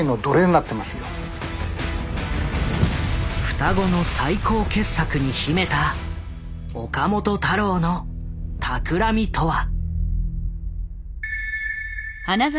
双子の最高傑作に秘めた岡本太郎の企みとは。